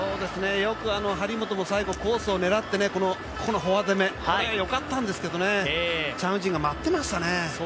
よく張本もコースを狙って、このフォア攻めこれはよかったんですけどね、チャン・ウジンが待ってましたね。